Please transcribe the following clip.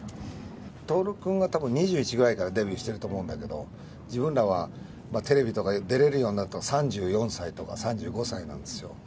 徹君がたぶん２１ぐらいからデビューしてると思うんだけど、自分らはテレビとかに出れるようになったのが、３４歳とか３５歳なんですよ。